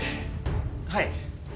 はい。